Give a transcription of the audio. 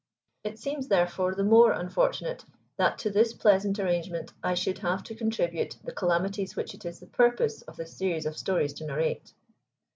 It seems therefore the more unfortunate that to this pleasant arrangement I should have to attribute the calamities which it is the purpose of this series of stories to narrate.